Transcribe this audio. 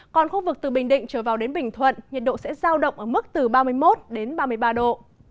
còn khu vực từ bình định trở vào đến bình thuận nhiệt độ sẽ giao động ở mức từ ba mươi một đến ba mươi ba độ